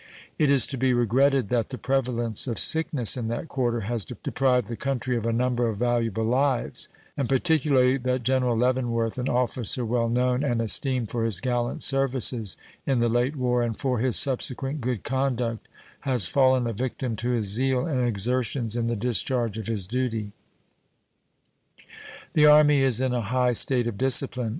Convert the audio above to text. It is to be regretted that the prevalence of sickness in that quarter has deprived the country of a number of valuable lives, and particularly that General Leavenworth, an officer well known, and esteemed for his gallant services in the late war and for his subsequent good conduct, has fallen a victim to his zeal and exertions in the discharge of his duty. The Army is in a high state of discipline.